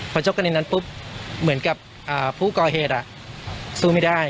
พอชกกันในนั้นปุ๊บเหมือนกับผู้ก่อเหตุสู้ไม่ได้